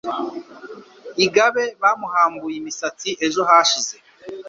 Igabe bamuhambuye imisatsi ejo hashize